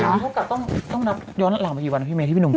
แล้วก็ต้องนับย้อนหลังไปกี่วันครับพี่เมฆที่พี่หนุ่มบอก